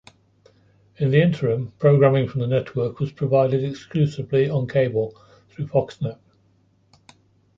In the interim, programming from the network was provided exclusively on cable through Foxnet.